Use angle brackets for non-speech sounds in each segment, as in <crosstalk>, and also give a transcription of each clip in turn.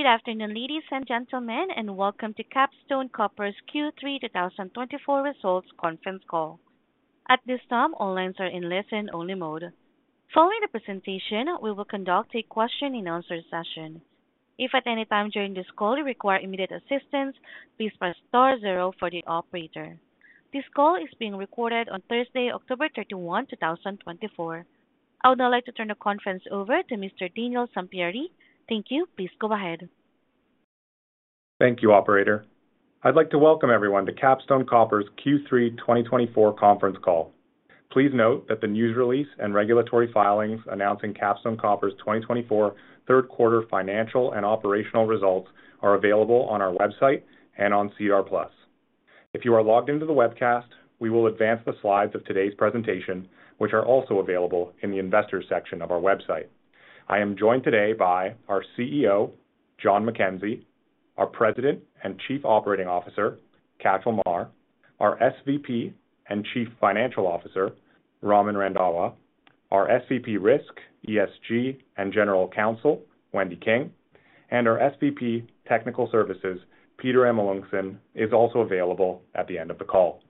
Good afternoon, ladies and gentlemen, and welcome to Capstone Copper's Q3 2024 Results Conference Call. At this time, all lines are in listen-only mode. Following the presentation, we will conduct a question-and-answer session. If at any time during this call you require immediate assistance, please press star zero for the operator. This call is being recorded on Thursday, October 31, 2024. I would now like to turn the conference over to Mr. Daniel Sampieri. Thank you. Please go ahead. Thank you, Operator. I'd like to welcome everyone to Capstone Copper's Q3 2024 Conference Call. Please note that the news release and regulatory filings announcing Capstone Copper's 2024 third-quarter financial and operational results are available on our website and on SEDAR+. If you are logged into the webcast, we will advance the slides of today's presentation, which are also available in the Investors section of our website. I am joined today by our CEO, John MacKenzie, our President and Chief Operating Officer, Cashel Meagher, our SVP and Chief Financial Officer, Raman Randhawa, our SVP Risk, ESG, and General Counsel, Wendy King, and our SVP, Technical Services, Peter Amelunxen, is also available at the end of the call.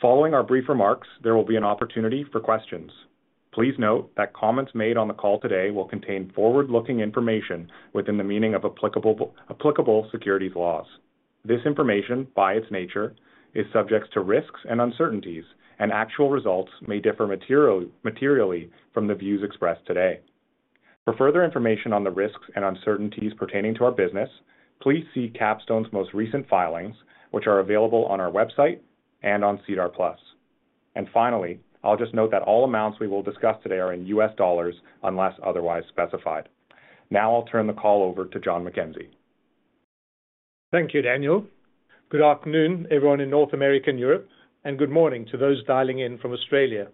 Following our brief remarks, there will be an opportunity for questions. Please note that comments made on the call today will contain forward-looking information within the meaning of applicable securities laws. This information, by its nature, is subject to risks and uncertainties, and actual results may differ materially from the views expressed today. For further information on the risks and uncertainties pertaining to our business, please see Capstone's most recent filings, which are available on our website and on SEDAR+. Finally, I'll just note that all amounts we will discuss today are in U.S. dollars unless otherwise specified. Now I'll turn the call over to John MacKenzie. Thank you, Daniel. Good afternoon, everyone in North America and Europe, and good morning to those dialing in from Australia.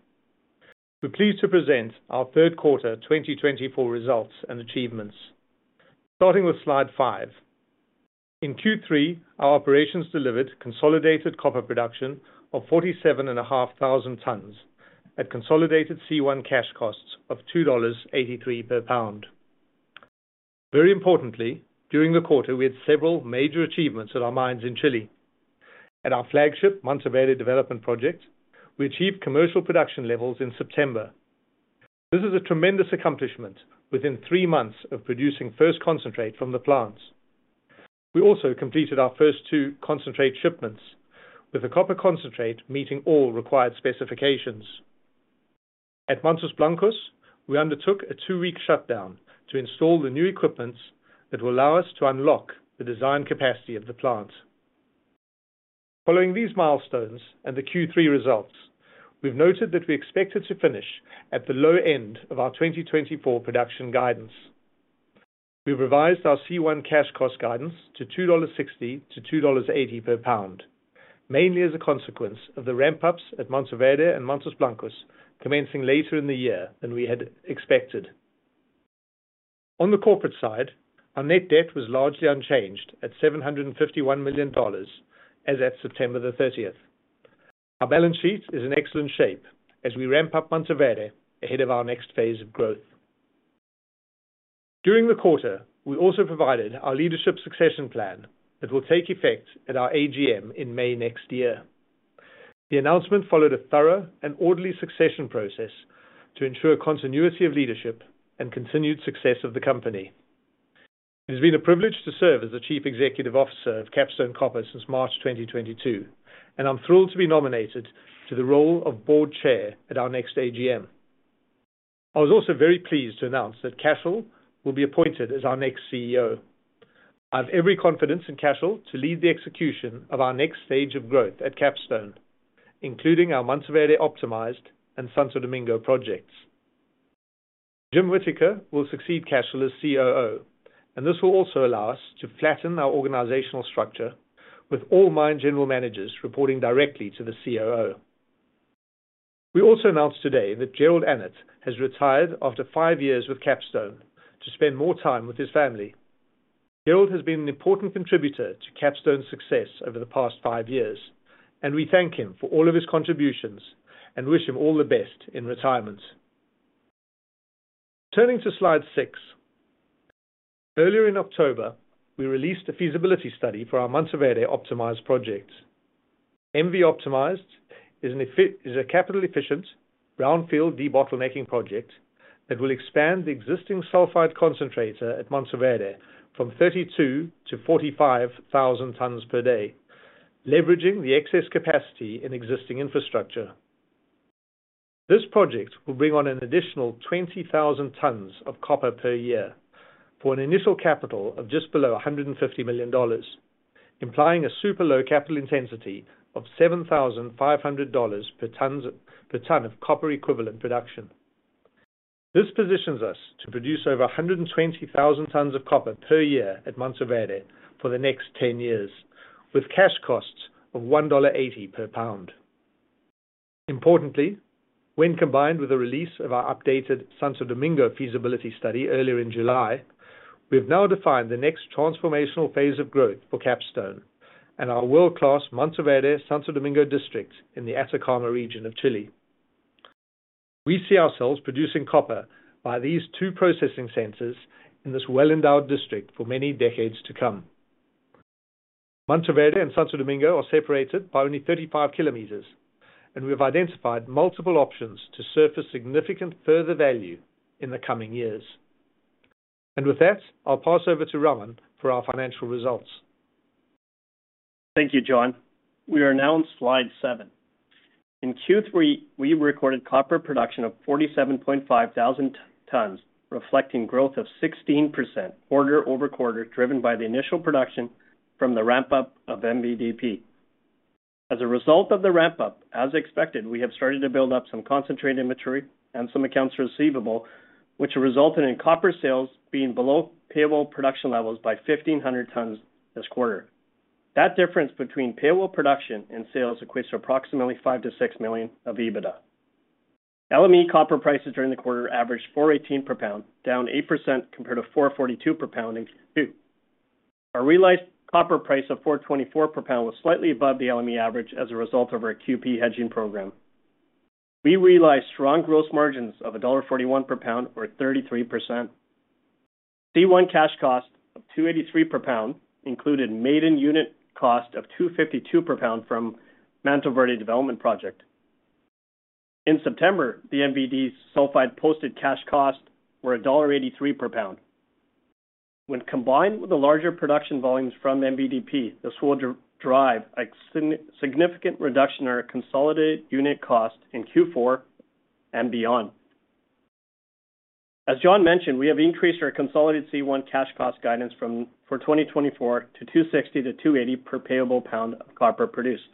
We're pleased to present our third quarter 2024 results and achievements. Starting with slide five. In Q3, our operations delivered consolidated copper production of 47,500 tons at consolidated C1 cash costs of $2.83 per pound. Very importantly, during the quarter, we had several major achievements at our mines in Chile. At our flagship Mantoverde Development Project, we achieved commercial production levels in September. This is a tremendous accomplishment within three months of producing first concentrate from the plants. We also completed our first two concentrate shipments, with the copper concentrate meeting all required specifications. At Mantos Blancos, we undertook a two-week shutdown to install the new equipment that will allow us to unlock the design capacity of the plant. Following these milestones and the Q3 results, we've noted that we expected to finish at the low end of our 2024 production guidance. We've revised our C1 cash costs guidance to $2.60-$2.80 per pound, mainly as a consequence of the ramp-ups at Mantoverde and Mantos Blancos commencing later in the year than we had expected. On the corporate side, our net debt was largely unchanged at $751 million as at September the 30th. Our balance sheet is in excellent shape as we ramp up Mantoverde ahead of our next phase of growth. During the quarter, we also provided our leadership succession plan that will take effect at our AGM in May next year. The announcement followed a thorough and orderly succession process to ensure continuity of leadership and continued success of the company. It has been a privilege to serve as the Chief Executive Officer of Capstone Copper since March 2022, and I'm thrilled to be nominated to the role of Board Chair at our next AGM. I was also very pleased to announce that Cashel will be appointed as our next CEO. I have every confidence in Cashel to lead the execution of our next stage of growth at Capstone, including our Mantoverde Optimized and Santo Domingo projects. Jim Whittaker will succeed Cashel as COO, and this will also allow us to flatten our organizational structure, with all mine general managers reporting directly to the COO. We also announced today that Jerrold Annett has retired after five years with Capstone to spend more time with his family. Jerrold has been an important contributor to Capstone's success over the past five years, and we thank him for all of his contributions and wish him all the best in retirement. Turning to slide six. Earlier in October, we released a feasibility study for our Mantoverde Optimized project. MV Optimized is a capital-efficient brownfield debottlenecking project that will expand the existing sulfide concentrator at Mantoverde from 32,000-45,000 tons per day, leveraging the excess capacity in existing infrastructure. This project will bring on an additional 20,000 tons of copper per year for an initial capital of just below $150 million, implying a super low capital intensity of $7,500 per ton of copper-equivalent production. This positions us to produce over 120,000 tons of copper per year at Mantoverde for the next 10 years, with cash costs of $1.80 per pound. Importantly, when combined with the release of our updated Santo Domingo feasibility study earlier in July, we have now defined the next transformational phase of growth for Capstone and our world-class Mantoverde-Santo Domingo district in the Atacama region of Chile. We see ourselves producing copper by these two processing centers in this well-endowed district for many decades to come. Mantoverde and Santo Domingo are separated by only 35 km, and we have identified multiple options to surface significant further value in the coming years. And with that, I'll pass over to Raman for our financial results. Thank you, John. We are now on slide seven. In Q3, we recorded copper production of 47500 tons, reflecting growth of 16% quarter-over-quarter, driven by the initial production from the ramp-up of MVDP. As a result of the ramp-up, as expected, we have started to build up some concentrate inventory and some accounts receivable, which resulted in copper sales being below payable production levels by 1,500 tons this quarter. That difference between payable production and sales equates to approximately $5 million-$6 million of EBITDA. LME copper prices during the quarter averaged $4.18 per pound, down 8% compared to $4.42 per pound in Q2. Our realized copper price of $4.24 per pound was slightly above the LME average as a result of our QP hedging program. We realized strong gross margins of $1.41 per pound, or 33%. C1 cash cost of $2.83 per pound included made-in-unit cost of $2.52 per pound from Mantoverde Development Project. In September, the Mantoverde's sulfide posted cash costs were $1.83 per pound. When combined with the larger production volumes from MVDP, this will drive a significant reduction in our consolidated unit cost in Q4 and beyond. As John mentioned, we have increased our consolidated C1 cash cost guidance for 2024 to $2.60-$2.80 per payable pound of copper produced.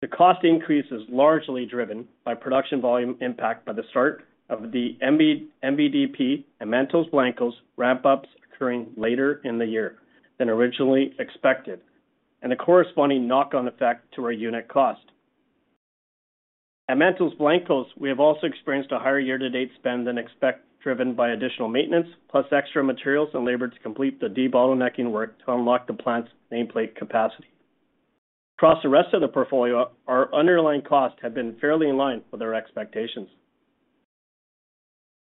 The cost increase is largely driven by production volume impact by the start of the MVDP and Mantos Blancos ramp-ups occurring later in the year than originally expected, and the corresponding knock-on effect to our unit cost. At Mantos Blancos, we have also experienced a higher year-to-date spend than expected, driven by additional maintenance, plus extra materials and labor to complete the debottlenecking work to unlock the plant's nameplate capacity. Across the rest of the portfolio, our underlying costs have been fairly in line with our expectations.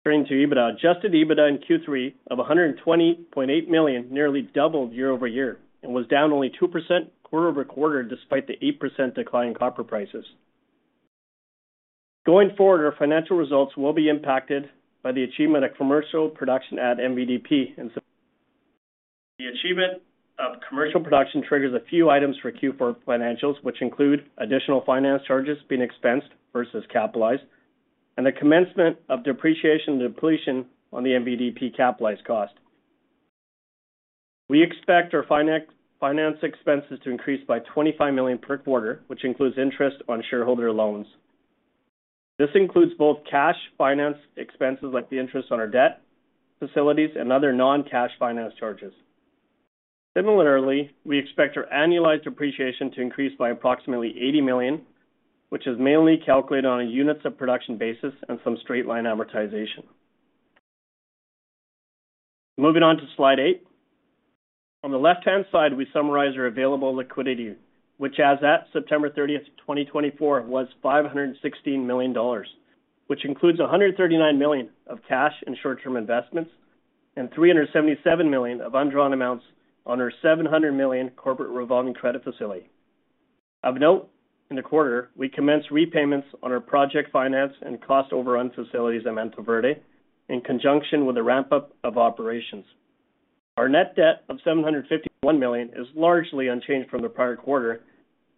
Turning to EBITDA, adjusted EBITDA in Q3 of $120.8 million nearly doubled year-over-year and was down only 2% quarter-over-quarter despite the 8% decline in copper prices. Going forward, our financial results will be impacted by the achievement of commercial production at MVDP. The achievement of commercial production triggers a few items for Q4 financials, which include additional finance charges being expensed versus capitalized, and the commencement of depreciation depletion on the MVDP capitalized cost. We expect our finance expenses to increase by $25 million per quarter, which includes interest on shareholder loans. This includes both cash finance expenses like the interest on our debt facilities and other non-cash finance charges. Similarly, we expect our annualized depreciation to increase by approximately $80 million, which is mainly calculated on a units-of-production basis and some straight-line amortization. Moving on to slide eight. On the left-hand side, we summarize our available liquidity, which as at September 30th, 2024, was $516 million, which includes $139 million of cash and short-term investments and $377 million of undrawn amounts on our $700 million corporate revolving credit facility. Of note, in the quarter, we commenced repayments on our project finance and cost overrun facilities at Mantoverde in conjunction with the ramp-up of operations. Our net debt of $751 million is largely unchanged from the prior quarter,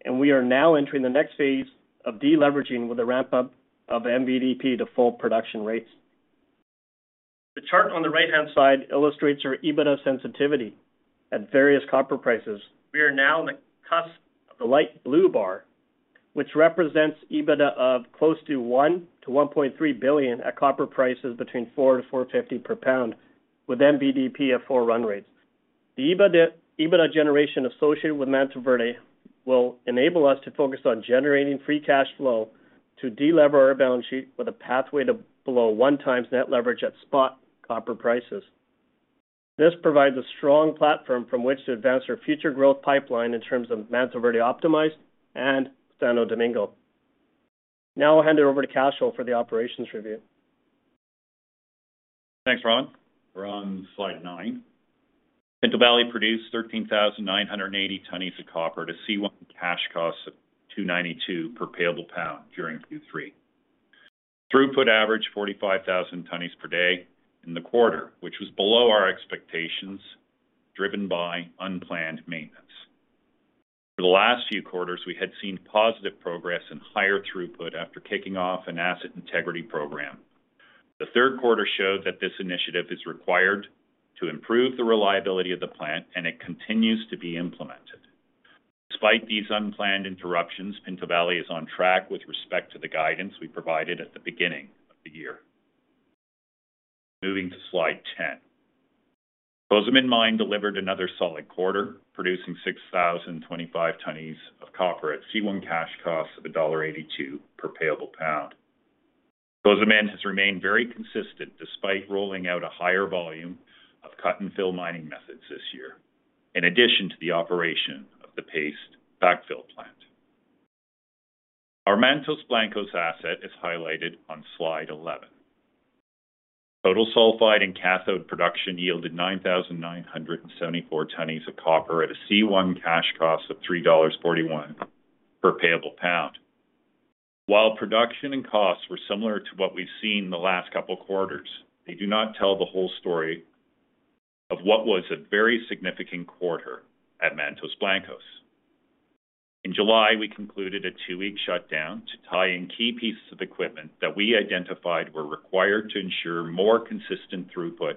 and we are now entering the next phase of deleveraging with the ramp-up of MVDP to full production rates. The chart on the right-hand side illustrates our EBITDA sensitivity at various copper prices. We are now in the cusp of the light blue bar, which represents EBITDA of close to one to 1.3 billion at copper prices between $4-$4.50 per pound, with MVDP at full run rates. The EBITDA generation associated with Mantoverde will enable us to focus on generating free cash flow to delever our balance sheet with a pathway to below 1x net leverage at spot copper prices. This provides a strong platform from which to advance our future growth pipeline in terms of Mantoverde Optimized and Santo Domingo. Now I'll hand it over to Cashel for the operations review. Thanks, Ron. We're on slide nine. Pinto Valley produced 13,980 tons of copper at a C1 cash cost of $2.92 per payable pound during Q3. Throughput averaged 45,000 tons per day in the quarter, which was below our expectations, driven by unplanned maintenance. For the last few quarters, we had seen positive progress in higher throughput after kicking off an asset integrity program. The third quarter showed that this initiative is required to improve the reliability of the plant, and it continues to be implemented. Despite these unplanned interruptions, Pinto Valley is on track with respect to the guidance we provided at the beginning of the year. Moving to slide 10. Cozamin mine delivered another solid quarter, producing 6,025 tons of copper at C1 cash costs of $1.82 per payable pound. Cozamin has remained very consistent despite rolling out a higher volume of cut-and-fill mining methods this year, in addition to the operation of the paste backfill plant. Our Mantos Blancos asset is highlighted on slide 11. Total sulfide and cathode production yielded 9,974 tons of copper at a C1 cash cost of $3.41 per payable pound. While production and costs were similar to what we've seen the last couple of quarters, they do not tell the whole story of what was a very significant quarter at Mantos Blancos. In July, we concluded a two-week shutdown to tie in key pieces of equipment that we identified were required to ensure more consistent throughput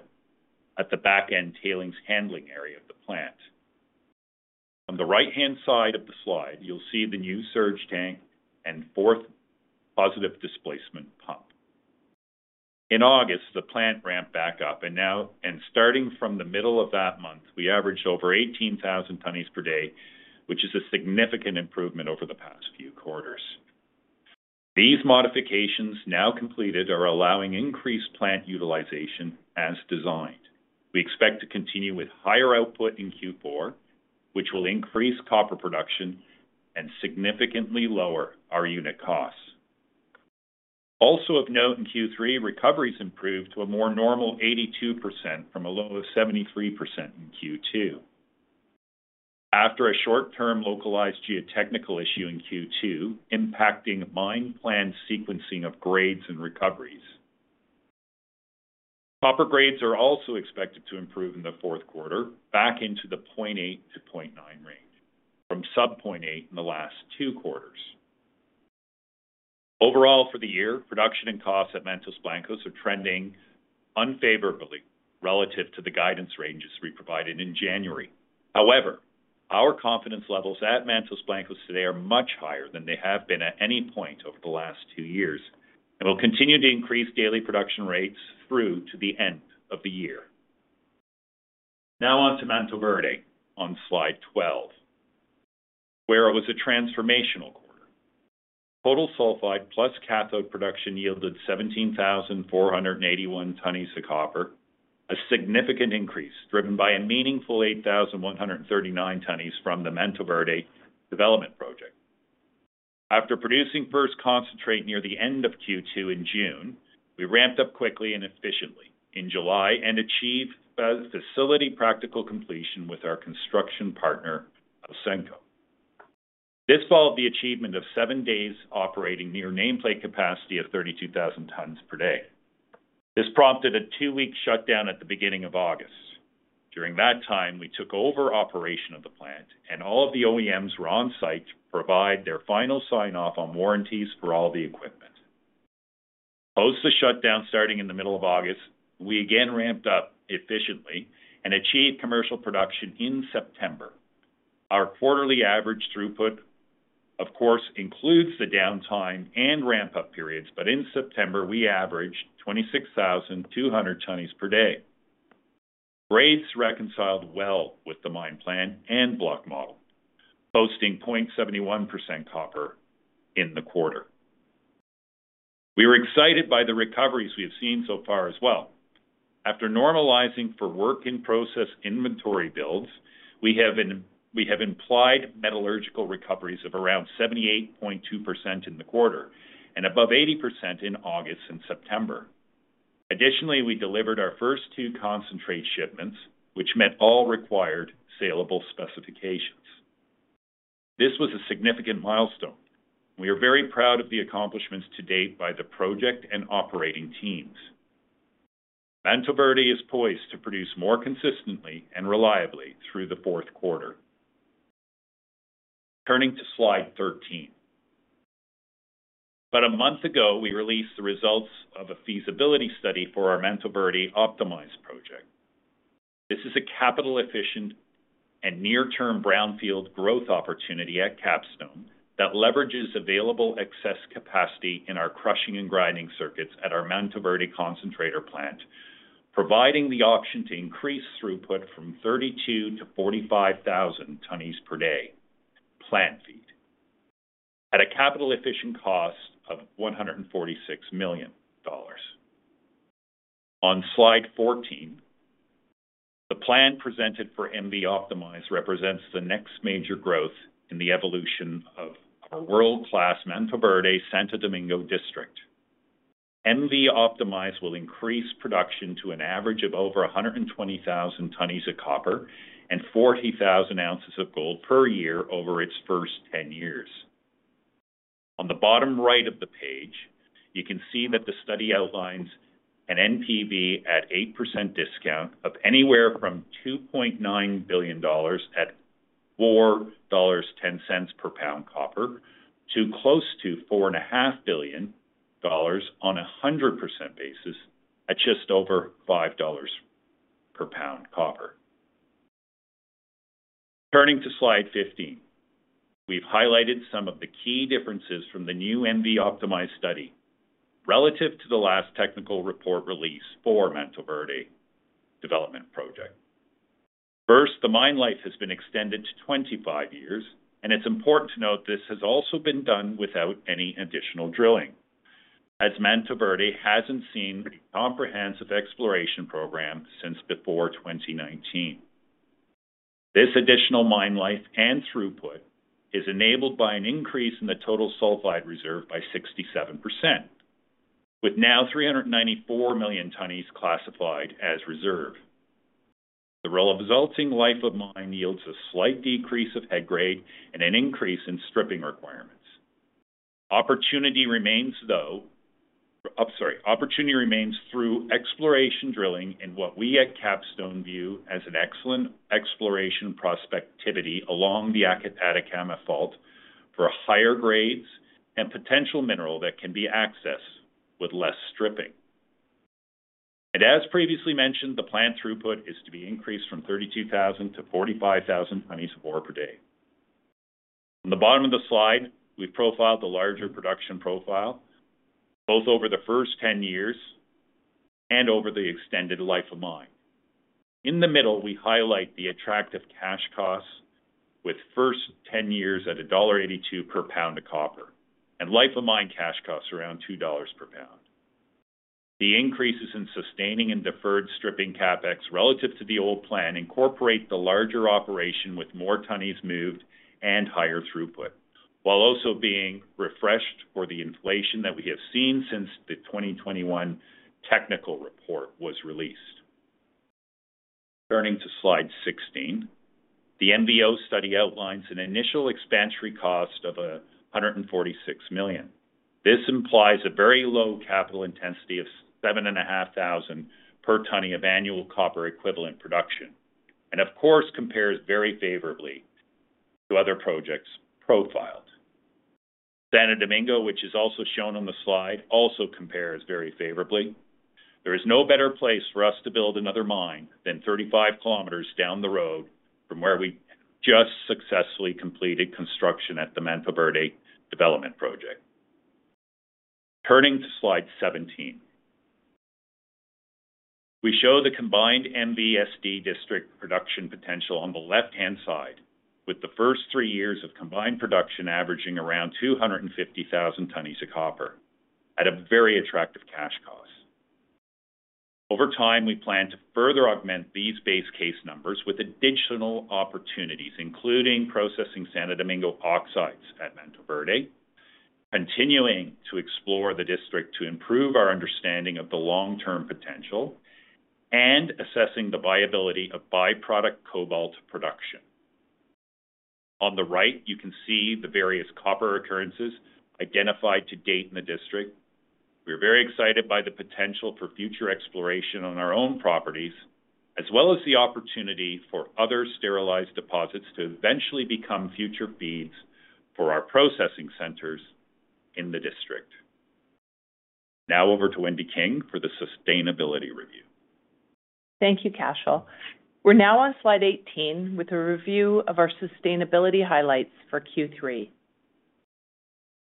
at the back-end tailings handling area of the plant. On the right-hand side of the slide, you'll see the new surge tank and fourth positive displacement pump. In August, the plant ramped back up, and now, starting from the middle of that month, we averaged over 18,000 tons per day, which is a significant improvement over the past few quarters. These modifications now completed are allowing increased plant utilization as designed. We expect to continue with higher output in Q4, which will increase copper production and significantly lower our unit costs. Also of note in Q3, recoveries improved to a more normal 82% from a low of 73% in Q2, after a short-term localized geotechnical issue in Q2 impacting mine plan sequencing of grades and recoveries. Copper grades are also expected to improve in the fourth quarter, back into the 0.8-0.9 range, from sub-0.8 in the last two quarters. Overall, for the year, production and costs at Mantos Blancos are trending unfavorably relative to the guidance ranges we provided in January. However, our confidence levels at Mantos Blancos today are much higher than they have been at any point over the last two years, and we'll continue to increase daily production rates through to the end of the year. Now on to Mantoverde on slide 12, where it was a transformational quarter. Total sulfide plus cathode production yielded 17,481 tons of copper, a significant increase driven by a meaningful 8,139 tons from the Mantoverde Development Project. After producing first concentrate near the end of Q2 in June, we ramped up quickly and efficiently in July and achieved facility practical completion with our construction partner of Ausenco. This followed the achievement of seven days operating near nameplate capacity of 32,000 tons per day. This prompted a two-week shutdown at the beginning of August. During that time, we took over operation of the plant, and all of the OEMs were on site to provide their final sign-off on warranties for all the equipment. Post the shutdown starting in the middle of August, we again ramped up efficiently and achieved commercial production in September. Our quarterly average throughput, of course, includes the downtime and ramp-up periods, but in September, we averaged 26,200 tons per day. Rates reconciled well with the mine plan and block model, posting 0.71% copper in the quarter. We were excited by the recoveries we have seen so far as well. After normalizing for work-in-process inventory builds, we have implied metallurgical recoveries of around 78.2% in the quarter and above 80% in August and September. Additionally, we delivered our first two concentrate shipments, which met all required saleable specifications. This was a significant milestone. We are very proud of the accomplishments to date by the project and operating teams. Mantoverde is poised to produce more consistently and reliably through the fourth quarter. Turning to slide 13. About a month ago, we released the results of a feasibility study for our Mantoverde Optimized project. This is a capital-efficient and near-term brownfield growth opportunity at Capstone that leverages available excess capacity in our crushing and grinding circuits at our Mantoverde concentrator plant, providing the option to increase throughput from 32,000-45,000 tons per day plant feed at a capital-efficient cost of $146 million. On slide 14, the plan presented for MV Optimized represents the next major growth in the evolution of our world-class Mantoverde Santo Domingo district. MV Optimized will increase production to an average of over 120,000 tons of copper and 40,000 oz of gold per year over its first 10 years. On the bottom right of the page, you can see that the study outlines an NPV at 8% discount of anywhere from $2.9 billion at $4.10 per pound copper to close to $4.5 billion on a 100% basis at just over $5 per pound copper. Turning to slide 15, we've highlighted some of the key differences from the new MV Optimized study relative to the last technical report release for Mantoverde Development Project. First, the mine life has been extended to 25 years, and it's important to note this has also been done without any additional drilling, as Mantoverde hasn't seen a comprehensive exploration program since before 2019. This additional mine life and throughput is enabled by an increase in the total sulfide reserve by 67%, with now 394 million tons classified as reserve. The resulting life of mine yields a slight decrease of head grade and an increase in stripping requirements. Opportunity remains through exploration drilling in what we at Capstone view as an excellent exploration prospectivity along the Atacama Fault for higher grades and potential mineral that can be accessed with less stripping. As previously mentioned, the plant throughput is to be increased from 32,000-45,000 tons of ore per day. On the bottom of the slide, we've profiled the larger production profile, both over the first 10 years and over the extended life of mine. In the middle, we highlight the attractive cash costs with first 10 years at $1.82 per pound of copper and life of mine cash costs around $2 per pound. The increases in sustaining and deferred stripping CapEx relative to the old plan incorporate the larger operation with more tons moved and higher throughput, while also being refreshed for the inflation that we have seen since the 2021 technical report was released. Turning to slide 16, the MVO study outlines an initial expansionary cost of $146 million. This implies a very low capital intensity of 7,500 per ton of annual copper equivalent production and, of course, compares very favorably to other projects profiled. Santo Domingo, which is also shown on the slide, also compares very favorably. There is no better place for us to build another mine than 35 km down the road from where we just successfully completed construction at the Mantoverde Development Project. Turning to slide 17, we show the combined MVSD district production potential on the left-hand side, with the first three years of combined production averaging around 250,000 tons of copper at a very attractive cash cost. Over time, we plan to further augment these base case numbers with additional opportunities, including processing Santo Domingo oxides at Mantoverde, continuing to explore the district to improve our understanding of the long-term potential and assessing the viability of byproduct cobalt production. On the right, you can see the various copper occurrences identified to date in the district. We are very excited by the potential for future exploration on our own properties, as well as the opportunity for other sterilized deposits to eventually become future feeds for our processing centers in the district. Now over to Wendy King for the sustainability review. Thank you, Cashel. We're now on slide 18 with a review of our sustainability highlights for Q3.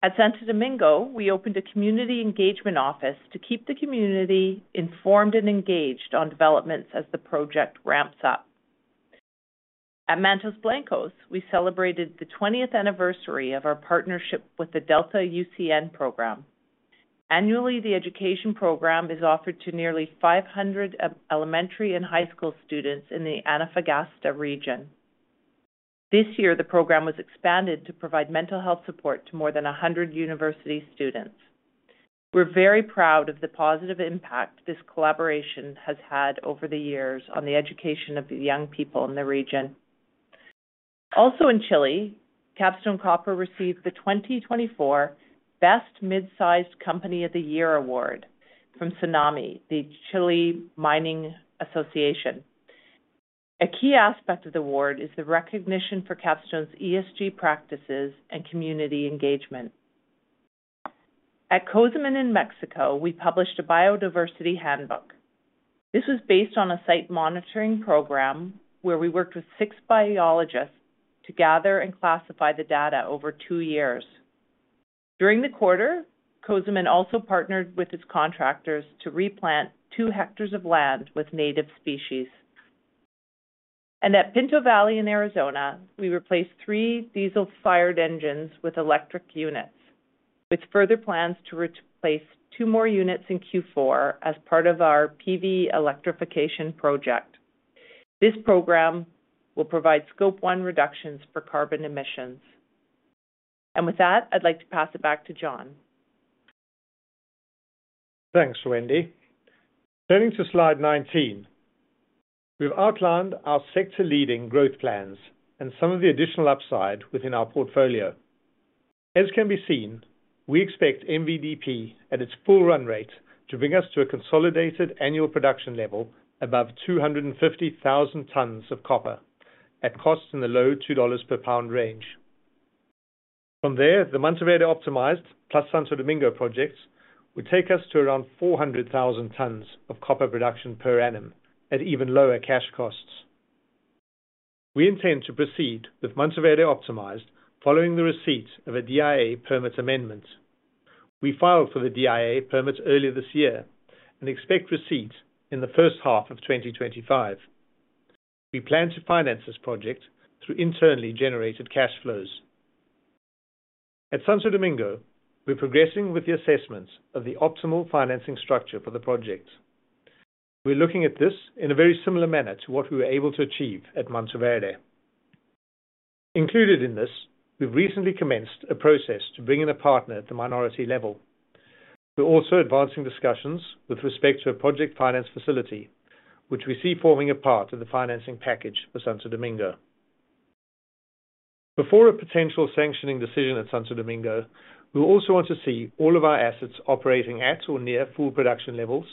At Santo Domingo, we opened a community engagement office to keep the community informed and engaged on developments as the project ramps up. At Mantos Blancos, we celebrated the 20th anniversary of our partnership with the DeLTA UCN program. Annually, the education program is offered to nearly 500 elementary and high school students in the Antofagasta region. This year, the program was expanded to provide mental health support to more than 100 university students. We're very proud of the positive impact this collaboration has had over the years on the education of the young people in the region. Also in Chile, Capstone Copper received the 2024 Best Mid-Sized Company of the Year award from SONAMI, the Chile Mining Association. A key aspect of the award is the recognition for Capstone's ESG practices and community engagement. At Cozamin in Mexico, we published a biodiversity handbook. This was based on a site monitoring program where we worked with six biologists to gather and classify the data over two years. During the quarter, Cozamin also partnered with its contractors to replant two hectares of land with native species. At Pinto Valley in Arizona, we replaced three diesel-fired engines with electric units, with further plans to replace two more units in Q4 as part of our PV Electrification project. This program will provide Scope 1 reductions for carbon emissions, and with that, I'd like to pass it back to John. Thanks, Wendy. Turning to slide 19, we've outlined our sector-leading growth plans and some of the additional upside within our portfolio. As can be seen, we expect MVDP at its full run rate to bring us to a consolidated annual production level above 250,000 tons of copper at costs in the low $2 per pound range. From there, the Mantoverde Optimized plus Santo Domingo projects would take us to around 400,000 tons of copper production per annum at even lower cash costs. We intend to proceed with Mantoverde Optimized following the receipt of a DIA permit amendment. We filed for the DIA permit earlier this year and expect receipt in the first half of 2025. We plan to finance this project through internally generated cash flows. At Santo Domingo, we're progressing with the assessment of the optimal financing structure for the project. We're looking at this in a very similar manner to what we were able to achieve at Mantoverde. Included in this, we've recently commenced a process to bring in a partner at the minority level. We're also advancing discussions with respect to a project finance facility, which we see forming a part of the financing package for Santo Domingo. Before a potential sanctioning decision at Santo Domingo, we also want to see all of our assets operating at or near full production levels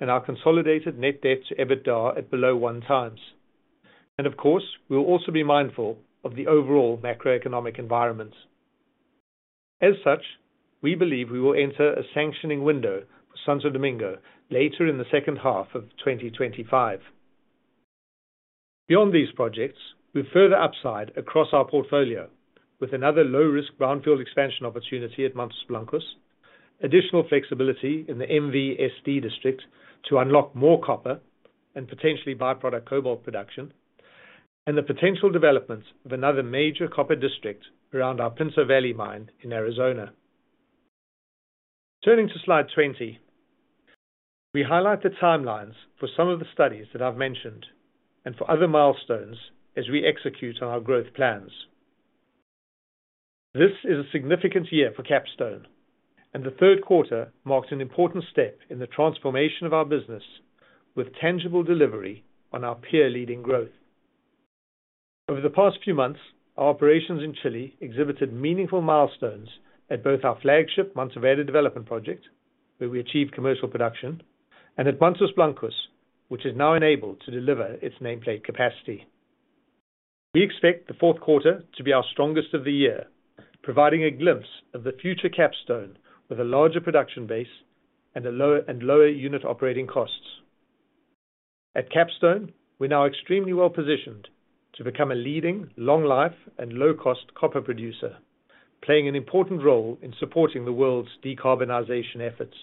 and our consolidated net debt to EBITDA at below 1x, and of course, we'll also be mindful of the overall macroeconomic environment. As such, we believe we will enter a sanctioning window for Santo Domingo later in the second half of 2025. Beyond these projects, we've further upside across our portfolio with another low-risk brownfield expansion opportunity at Mantos Blancos, additional flexibility in the MVSD district to unlock more copper and potentially byproduct cobalt production, and the potential development of another major copper district around our Pinto Valley mine in Arizona. Turning to slide 20, we highlight the timelines for some of the studies that I've mentioned and for other milestones as we execute on our growth plans. This is a significant year for Capstone, and the third quarter marks an important step in the transformation of our business with tangible delivery on our peer-leading growth. Over the past few months, our operations in Chile exhibited meaningful milestones at both our flagship Mantoverde Development Project, where we achieved commercial production, and at Mantos Blancos, which is now enabled to deliver its nameplate capacity. We expect the fourth quarter to be our strongest of the year, providing a glimpse of the future Capstone with a larger production base and lower unit operating costs. At Capstone, we're now extremely well positioned to become a leading, long-life, and low-cost copper producer, playing an important role in supporting the world's decarbonization efforts.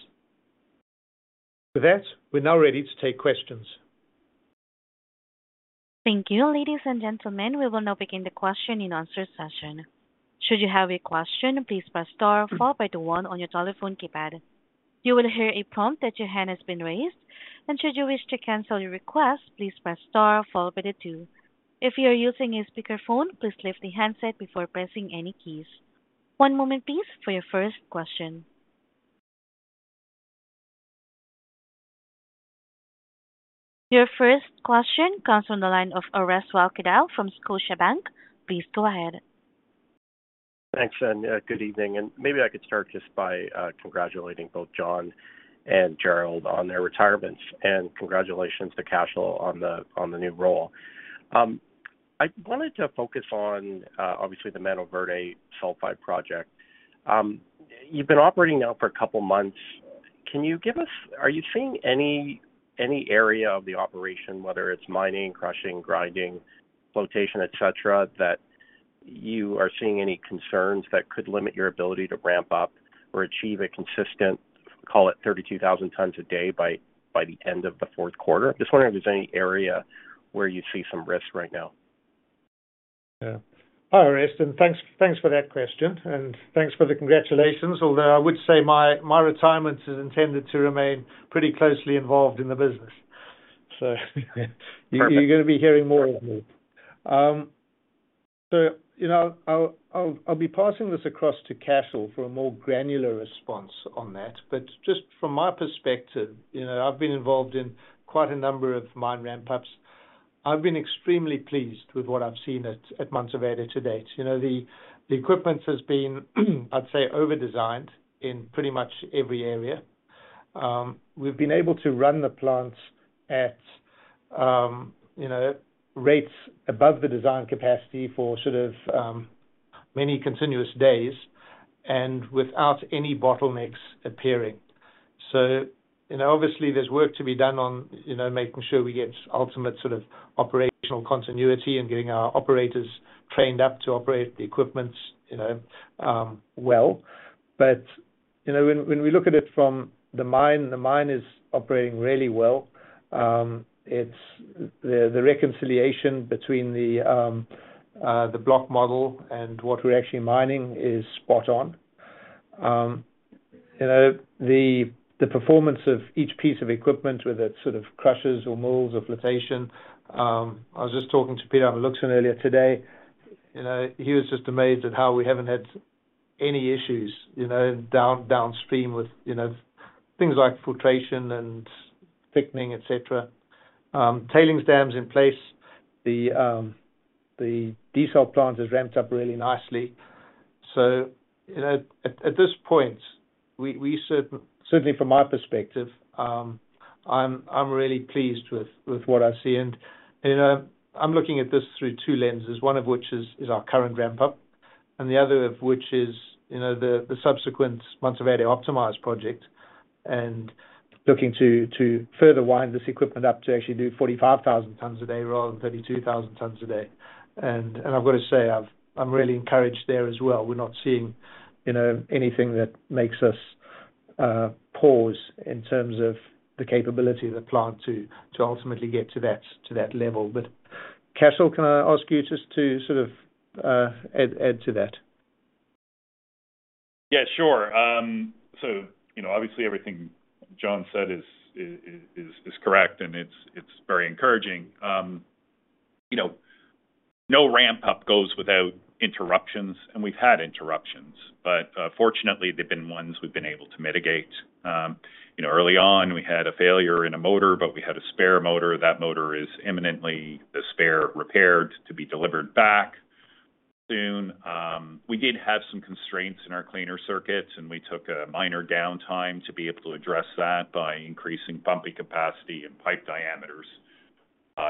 With that, we're now ready to take questions. Thank you. Ladies and gentlemen, we will now begin the question and answer session. Should you have a question, please press star followed by the one on your telephone keypad. You will hear a prompt that your hand has been raised, and should you wish to cancel your request, please press star followed by the two. If you are using a speakerphone, please lift the handset before pressing any keys. One moment, please, for your first question. Your first question comes from the line of Orest Wowkodaw from Scotiabank. Please go ahead. Thanks, and good evening. And maybe I could start just by congratulating both John and Jerrold on their retirements, and congratulations to Cashel on the new role. I wanted to focus on, obviously, the Mantoverde Sulfide Project. You've been operating now for a couple of months. Can you give us? Are you seeing any area of the operation, whether it's mining, crushing, grinding, flotation, etc., that you are seeing any concerns that could limit your ability to ramp up or achieve a consistent, call it, 32,000 tons a day by the end of the fourth quarter? I'm just wondering if there's any area where you see some risk right now. Yeah. Hi, Orest, and thanks for that question, and thanks for the congratulations, although I would say my retirement is intended to remain pretty closely involved in the business. You're going to be hearing more of me. I'll be passing this across to Cashel for a more granular response on that. But just from my perspective, I've been involved in quite a number of mine ramp-ups. I've been extremely pleased with what I've seen at Mantoverde to date. The equipment has been, I'd say, over-designed in pretty much every area. We've been able to run the plants at rates above the design capacity for sort of many continuous days and without any bottlenecks appearing. Obviously, there's work to be done on making sure we get ultimate sort of operational continuity and getting our operators trained up to operate the equipments well. But when we look at it from the mine, the mine is operating really well. The reconciliation between the block model and what we're actually mining is spot on. The performance of each piece of equipment, whether it's sort of crushers or mills or flotation, I was just talking to Peter Amelunxen earlier today. He was just amazed at how we haven't had any issues downstream with things like filtration and thickening, etc. Tailings dam is in place. The desal plant has ramped up really nicely. So at this point, certainly from my perspective, I'm really pleased with what I see. And I'm looking at this through two lenses, one of which is our current ramp-up, and the other of which is the subsequent Mantoverde Optimized project and looking to further wind this equipment up to actually do 45,000 tons a day rather than 32,000 tons a day. And I've got to say, I'm really encouraged there as well. We're not seeing anything that makes us pause in terms of the capability of the plant to ultimately get to that level. But Cashel, can I ask you just to sort of add to that? Yeah, sure. So obviously, everything John said is correct, and it's very encouraging. No ramp-up goes without interruptions, and we've had interruptions. But fortunately, there've been ones we've been able to mitigate. Early on, we had a failure in a motor, but we had a spare motor. That motor is imminently the spare repaired to be delivered back soon. We did have some constraints in our cleaner circuits, and we took a minor downtime to be able to address that by increasing pumping capacity and pipe diameters.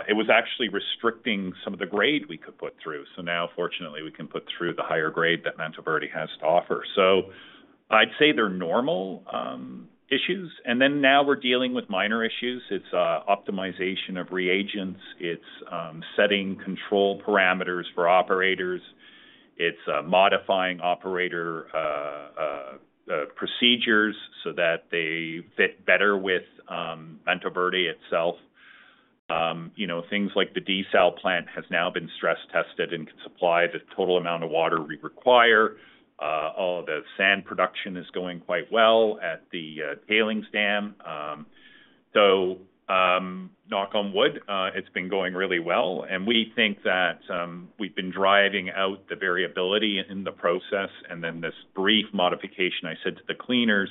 It was actually restricting some of the grade we could put through. So now, fortunately, we can put through the higher grade that Mantoverde has to offer. So I'd say they're normal issues. And then now we're dealing with minor issues. It's optimization of reagents. It's setting control parameters for operators. It's modifying operator procedures so that they fit better with Mantoverde itself. Things like the desal plant has now been stress tested and can supply the total amount of water we require. All of the sand production is going quite well at the tailings dam. So knock on wood, it's been going really well. And we think that we've been driving out the variability in the process. And then this brief modification I said to the concentrator,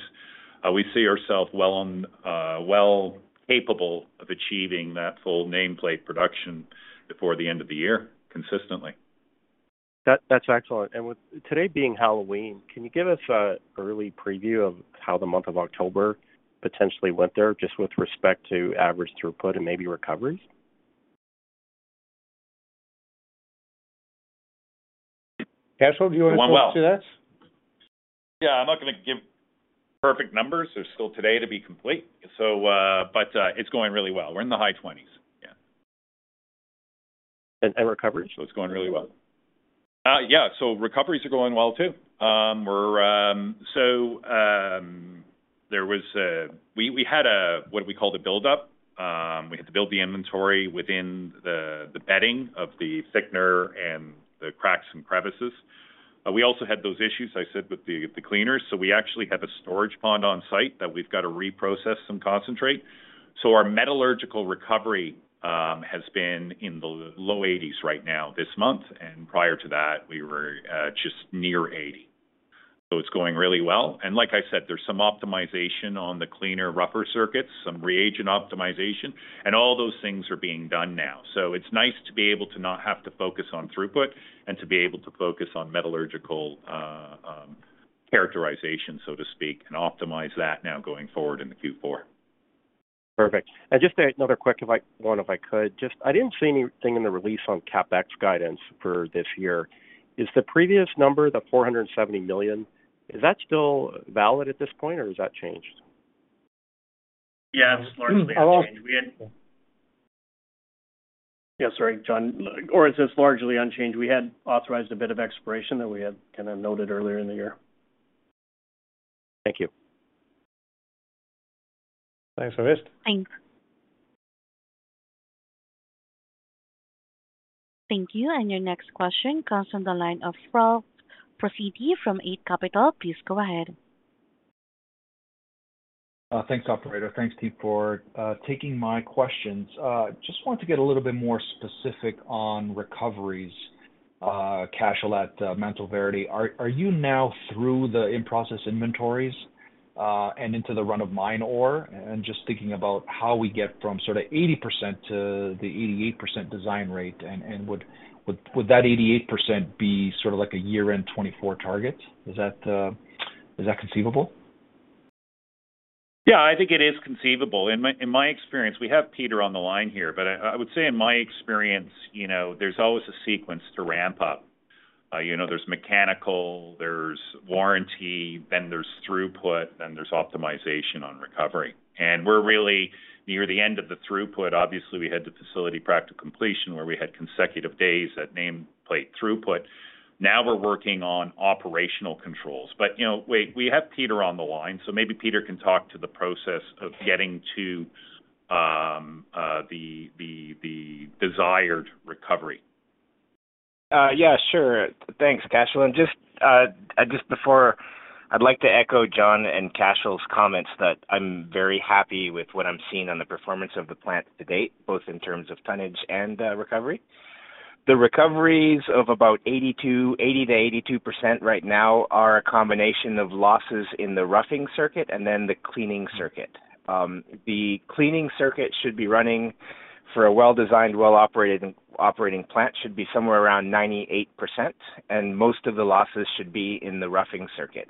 we see ourselves well capable of achieving that full nameplate production before the end of the year consistently. That's excellent, and with today being Halloween, can you give us an early preview of how the month of October potentially went there just with respect to average throughput and maybe recoveries? Cashel, do you want to talk to that? Yeah. I'm not going to give perfect numbers. There's still today to be complete, but it's going really well. We're in the high 20s. Yeah. And recoveries? It's going really well. Yeah. Recoveries are going well too. We had what we called a build-up. We had to build the inventory within the bedding of the thickener and the cracks and crevices. We also had those issues, I said, with the cleaners. We actually have a storage pond on site that we've got to reprocess and concentrate. Our metallurgical recovery has been in the low 80s right now this month. Prior to that, we were just near 80. It's going really well. Like I said, there's some optimization on the cleaner rougher circuits, some reagent optimization, and all those things are being done now. It's nice to be able to not have to focus on throughput and to be able to focus on metallurgical characterization, so to speak, and optimize that now going forward in the Q4. Perfect. And just another quick one, if I could. I didn't see anything in the release on CapEx guidance for this year. Is the previous number, the $470 million, is that still valid at this point, or has that changed? Yeah. It's largely unchanged. <crosstalk> Yeah. Sorry, John. Or is this largely unchanged? We had authorized a bit of expiration that we had kind of noted earlier in the year. Thank you. Thanks, Orest. Thanks. Thank you. And your next question comes from the line of Ralph Profiti from Eight Capital. Please go ahead. Thanks, Operator. Thanks team, for taking my questions. Just wanted to get a little bit more specific on recoveries, Cashel at Mantoverde. Are you now through the in-process inventories and into the run-of-mine ore? And just thinking about how we get from sort of 80% to the 88% design rate, and would that 88% be sort of like a year-end 2024 target? Is that conceivable? Yeah. I think it is conceivable. In my experience, we have Peter on the line here, but I would say in my experience, there's always a sequence to ramp up. There's mechanical, there's warranty, then there's throughput, then there's optimization on recovery, and we're really near the end of the throughput. Obviously, we had the facility practical completion where we had consecutive days at nameplate throughput. Now we're working on operational controls, but wait, we have Peter on the line, so maybe Peter can talk to the process of getting to the desired recovery. Yeah. Sure. Thanks, Cashel. And just before, I'd like to echo John and Cashel's comments that I'm very happy with what I'm seeing on the performance of the plant to date, both in terms of tonnage and recovery. The recoveries of about 80%-82% right now are a combination of losses in the roughing circuit and then the cleaning circuit. The cleaning circuit should be running for a well-designed, well-operated plant should be somewhere around 98%, and most of the losses should be in the roughing circuit.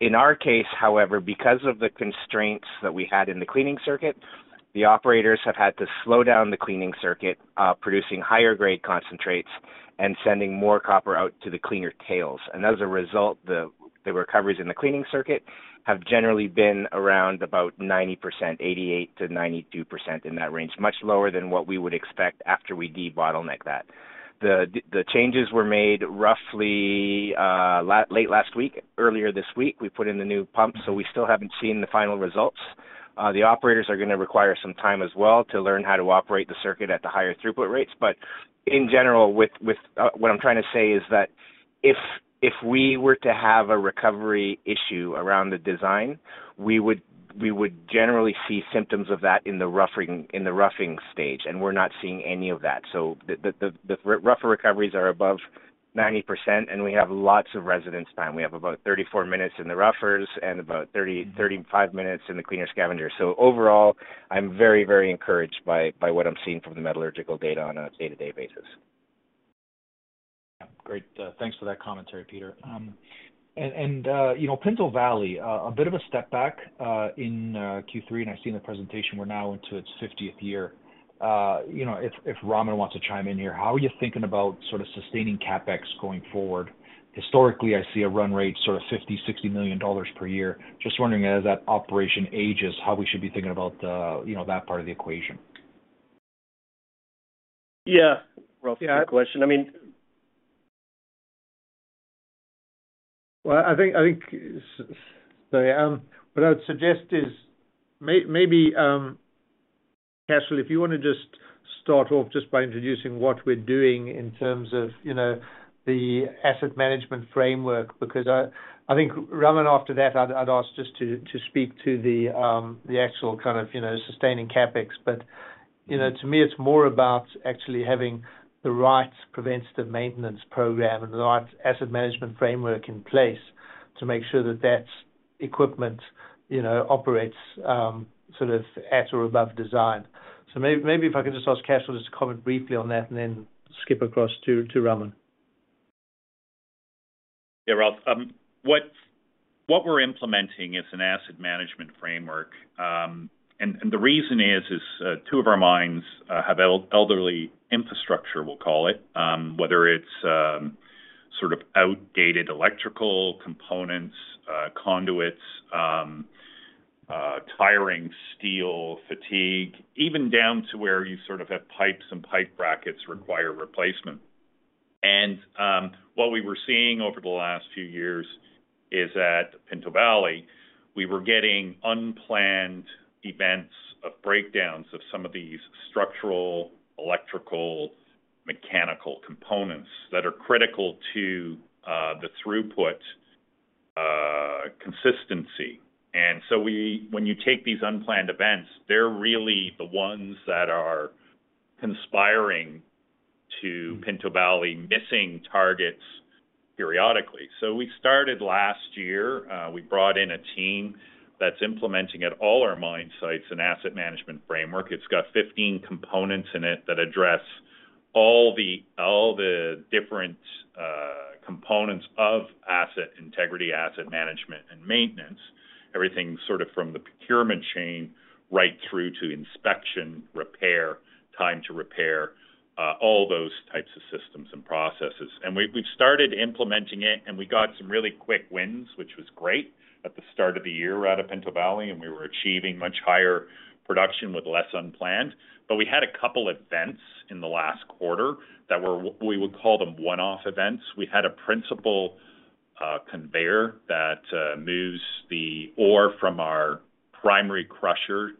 In our case, however, because of the constraints that we had in the cleaning circuit, the operators have had to slow down the cleaning circuit, producing higher-grade concentrates and sending more copper out to the cleaner tails. As a result, the recoveries in the cleaning circuit have generally been around about 90%, 88%-92% in that range, much lower than what we would expect after we debottleneck that. The changes were made roughly late last week. Earlier this week, we put in the new pump, so we still haven't seen the final results. The operators are going to require some time as well to learn how to operate the circuit at the higher throughput rates. But in general, what I'm trying to say is that if we were to have a recovery issue around the design, we would generally see symptoms of that in the roughing stage, and we're not seeing any of that. So the rougher recoveries are above 90%, and we have lots of residence time. We have about 34 minutes in the roughers and about 35 minutes in the cleaner scavengers. So overall, I'm very, very encouraged by what I'm seeing from the metallurgical data on a day-to-day basis. Great. Thanks for that commentary, Peter. And Pinto Valley, a bit of a step back in Q3, and I see in the presentation we're now into its 50th year. If Raman wants to chime in here, how are you thinking about sort of sustaining CapEx going forward? Historically, I see a run rate sort of $50 million-$60 million per year. Just wondering, as that operation ages, how we should be thinking about that part of the equation. Yeah. Roughly. Yeah. I think what I would suggest is maybe, Cashel, if you want to just start off just by introducing what we're doing in terms of the asset management framework, because I think Raman after that, I'd ask just to speak to the actual kind of sustaining CapEx. But to me, it's more about actually having the right preventative maintenance program and the right asset management framework in place to make sure that that equipment operates sort of at or above design. So maybe if I could just ask Cashel just to comment briefly on that and then skip across to Raman. Yeah, Ralph. What we're implementing is an asset management framework, and the reason is two of our mines have elderly infrastructure, we'll call it, whether it's sort of outdated electrical components, conduits, wiring, steel, fatigue, even down to where you sort of have pipes and pipe brackets require replacement, and what we were seeing over the last few years is at Pinto Valley, we were getting unplanned events of breakdowns of some of these structural, electrical, mechanical components that are critical to the throughput consistency, and so when you take these unplanned events, they're really the ones that are conspiring to Pinto Valley missing targets periodically, so we started last year. We brought in a team that's implementing at all our mine sites an asset management framework. It's got 15 components in it that address all the different components of asset integrity, asset management, and maintenance, everything sort of from the procurement chain right through to inspection, repair, time to repair, all those types of systems and processes. And we've started implementing it, and we got some really quick wins, which was great at the start of the year out of Pinto Valley, and we were achieving much higher production with less unplanned. But we had a couple of events in the last quarter that we would call them one-off events. We had a principal conveyor that moves the ore from our primary crusher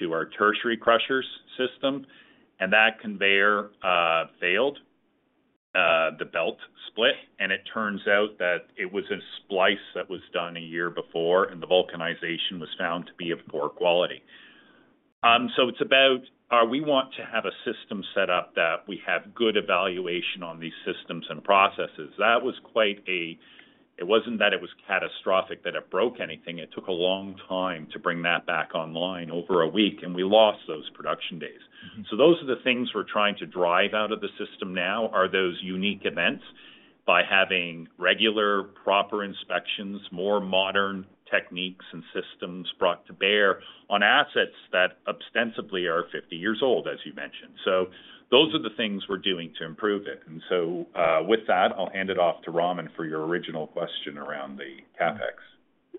to our tertiary crushers system, and that conveyor failed. The belt split, and it turns out that it was a splice that was done a year before, and the vulcanization was found to be of poor quality. It's about we want to have a system set up that we have good evaluation on these systems and processes. It wasn't that it was catastrophic that it broke anything. It took a long time to bring that back online, over a week, and we lost those production days. Those are the things we're trying to drive out of the system now, those unique events, by having regular, proper inspections, more modern techniques and systems brought to bear on assets that ostensibly are 50 years old, as you mentioned. Those are the things we're doing to improve it. With that, I'll hand it off to Raman for your original question around the CapEx.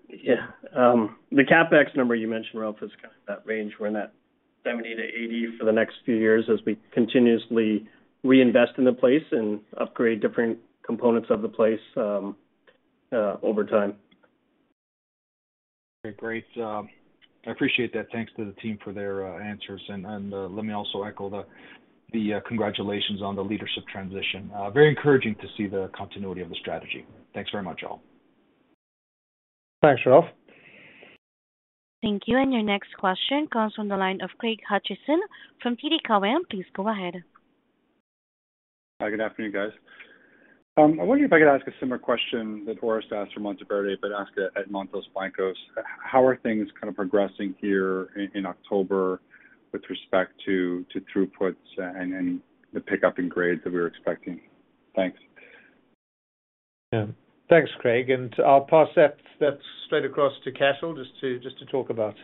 Yeah. The CapEx number you mentioned, Ralph, is kind of that range. We're in that 70-80 for the next few years as we continuously reinvest in the place and upgrade different components of the place over time. Okay. Great. I appreciate that. Thanks to the team for their answers, and let me also echo the congratulations on the leadership transition. Very encouraging to see the continuity of the strategy. Thanks very much, all. Thanks, Ralph. Thank you, and your next question comes from the line of Craig Hutchison from TD Cowen. Please go ahead. Hi, good afternoon, guys. I wonder if I could ask a similar question that Orest asked from Mantoverde, but ask it at Mantos Blancos. How are things kind of progressing here in October with respect to throughputs and the pickup in grade that we were expecting? Thanks. Yeah. Thanks, Craig. And I'll pass that straight across to Cashel just to talk about.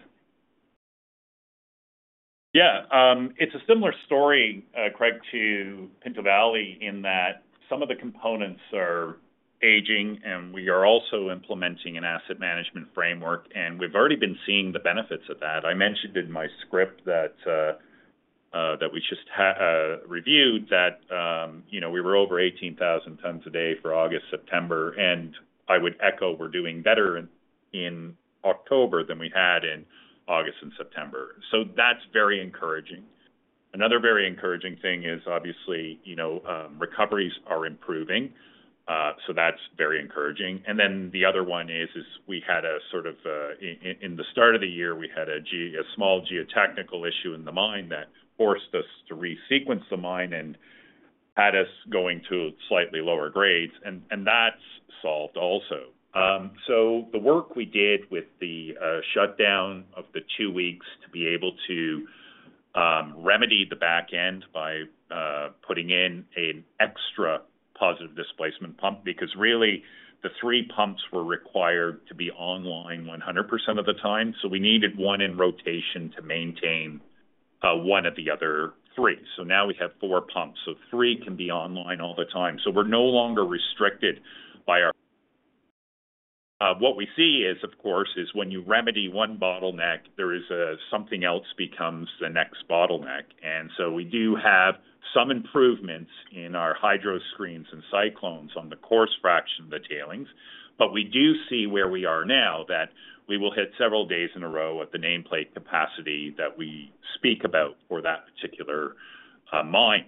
Yeah. It's a similar story, Craig, to Pinto Valley in that some of the components are aging, and we are also implementing an asset management framework, and we've already been seeing the benefits of that. I mentioned in my script that we just reviewed that we were over 18,000 tons a day for August, September, and I would echo we're doing better in October than we had in August and September. So that's very encouraging. Another very encouraging thing is, obviously, recoveries are improving. So that's very encouraging. And then the other one is we had a sort of in the start of the year, we had a small geotechnical issue in the mine that forced us to resequence the mine and had us going to slightly lower grades, and that's solved also. So the work we did with the shutdown of the two weeks to be able to remedy the backend by putting in an extra positive displacement pump because really the three pumps were required to be online 100% of the time. So we needed one in rotation to maintain one of the other three. So now we have four pumps. So three can be online all the time. So we're no longer restricted by our what we see is, of course, is when you remedy one bottleneck, there is something else becomes the next bottleneck. And so we do have some improvements in our hydro screens and cyclones on the coarse fraction of the tailings, but we do see where we are now that we will hit several days in a row at the nameplate capacity that we speak about for that particular mine.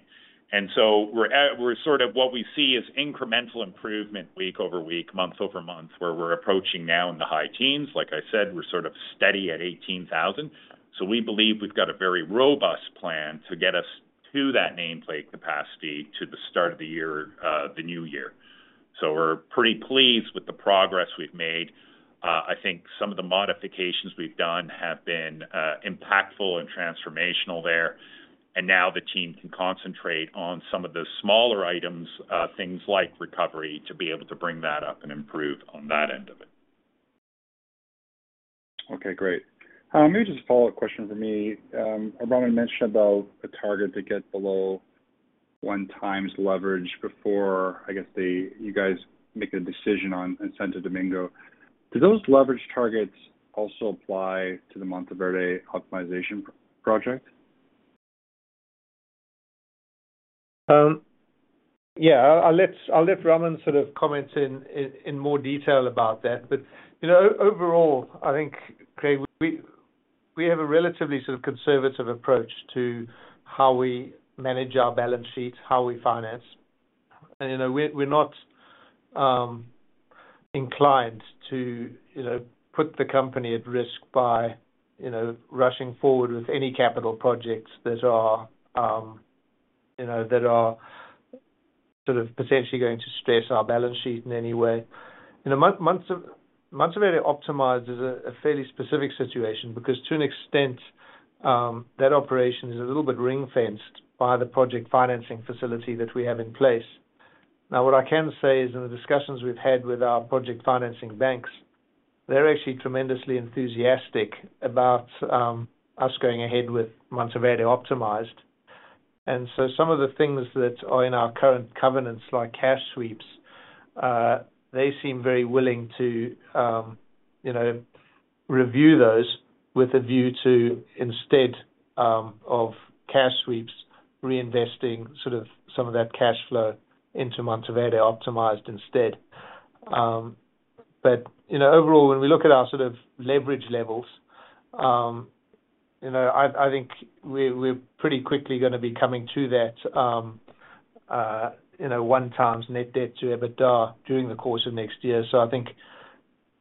We're sort of, what we see is incremental improvement week over week, month over month, where we're approaching now in the high teens. Like I said, we're sort of steady at 18,000. We believe we've got a very robust plan to get us to that nameplate capacity to the start of the year, the new year. We're pretty pleased with the progress we've made. I think some of the modifications we've done have been impactful and transformational there, and now the team can concentrate on some of the smaller items, things like recovery, to be able to bring that up and improve on that end of it. Okay. Great. Maybe just a follow-up question for me. Raman mentioned about a target to get below one times leverage before, I guess, you guys make a decision on Santo Domingo. Do those leverage targets also apply to the Mantoverde optimization project? Yeah. I'll let Raman sort of comment in more detail about that, but overall, I think, Craig, we have a relatively sort of conservative approach to how we manage our balance sheets, how we finance, and we're not inclined to put the company at risk by rushing forward with any capital projects that are sort of potentially going to stress our balance sheet in any way. Mantoverde Optimized is a fairly specific situation because to an extent, that operation is a little bit ring-fenced by the project financing facility that we have in place. Now, what I can say is in the discussions we've had with our project financing banks, they're actually tremendously enthusiastic about us going ahead with Mantoverde Optimized. And so some of the things that are in our current covenants, like cash sweeps, they seem very willing to review those with a view to instead of cash sweeps, reinvesting sort of some of that cash flow into Mantoverde Optimized instead. But overall, when we look at our sort of leverage levels, I think we're pretty quickly going to be coming to that 1x net debt to EBITDA during the course of next year. So I think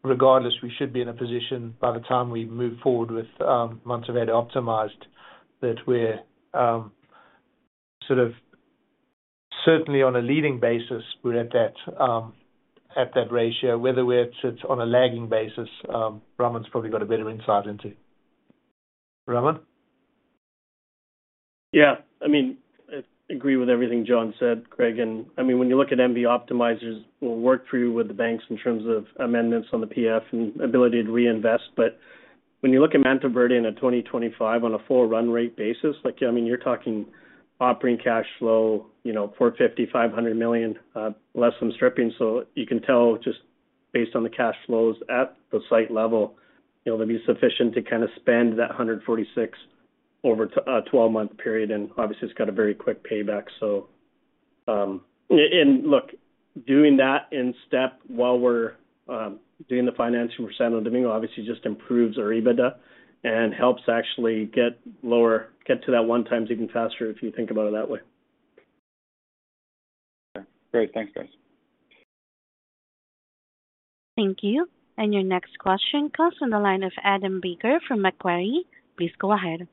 regardless, we should be in a position by the time we move forward with Mantoverde Optimized that we're sort of certainly on a leading basis, we're at that ratio. Whether it's on a lagging basis, Raman's probably got a better insight into. Raman? Yeah. I mean, I agree with everything John said, Craig. And I mean, when you look at MV optimizers, we'll work through with the banks in terms of amendments on the PF and ability to reinvest. But when you look at Mantoverde in 2025 on a full run rate basis, I mean, you're talking operating cash flow, $450 million-$500 million, less than stripping. So you can tell just based on the cash flows at the site level, it'll be sufficient to kind of spend that 146 over a 12-month period. And obviously, it's got a very quick payback. So look, doing that in step while we're doing the financing for Santo Domingo, obviously, just improves our EBITDA and helps actually get to that one times even faster if you think about it that way. Okay. Great. Thanks, guys. Thank you, and your next question comes from the line of Adam Baker from Macquarie. Please go ahead.